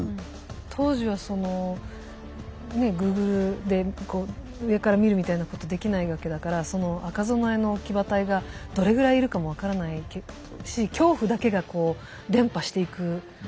当時はそのＧｏｏｇｌｅで上から見るみたいなことできないわけだからその赤備えの騎馬隊がどれぐらいいるかも分からないし恐怖だけがこう伝播していくっていうのはね